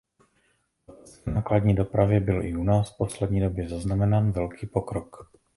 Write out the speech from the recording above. V letecké nákladní dopravě byl i u nás v poslední době zaznamenán velký pokrok.